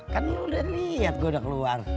kan lu udah lihat gua udah keluar